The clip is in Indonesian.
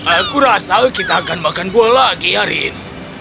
aku rasa kita akan makan buah lagi hari ini